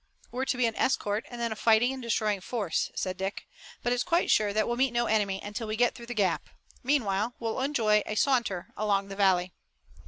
"We're to be an escort and then a fighting and destroying force," said Dick. "But it's quite sure that we'll meet no enemy until we go through the gap. Meanwhile we'll enjoy a saunter along the valley."